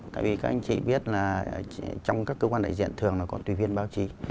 tại vì các anh chị biết là trong các cơ quan đại diện thường là có tùy viên báo chí